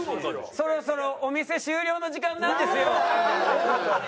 そろそろお店終了の時間なんですよ。